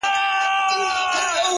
• ږغېدی په څو څو ژبو د پېریانو,